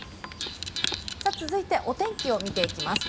続いてお天気を見ていきます。